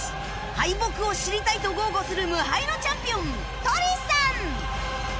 敗北を知りたいと豪語する無敗のチャンピオンとりさん